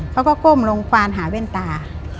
เขาก็ก้มลงควานหาเว้นตา